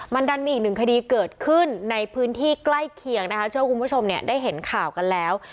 มันดันมีอีกหนึ่งคดีเกิดขึ้นในพื้นที่ใกล้เคียงนะคะเชื่อว่าคุณผู้ชมเนี่ยได้เห็นข่าวกันแล้ว